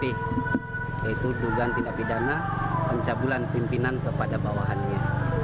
yaitu dugaan tindak pidana pencabulan pimpinan kepada bawahannya